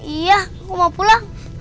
iya aku mau pulang